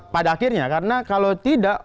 pada akhirnya karena kalau tidak